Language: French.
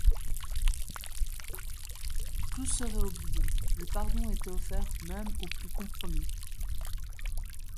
Tout serait oublié, le pardon était offert même aux plus compromis.